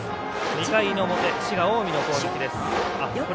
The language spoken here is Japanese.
２回の表、滋賀、近江の攻撃です。